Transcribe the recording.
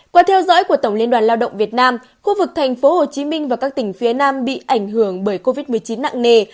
qua theo dõi của tổng liên đoàn lao động việt nam khu vực thành phố hồ chí minh và các tỉnh phía nam bị ảnh hưởng bởi covid một mươi chín nặng nề